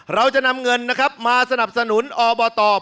เราจะนำเงินนะครับมาสนับสนุนอบต